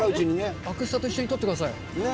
アクスタと一緒に撮ってください。